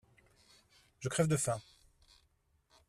Je crève de faim.